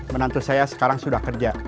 menantu saya sekarang sudah kerja